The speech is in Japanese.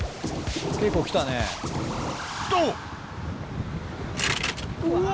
結構来たね。と！うわ！